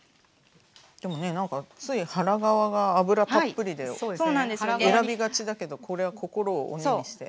でもね何かつい腹側が脂たっぷりで選びがちだけどこれは心を鬼にして。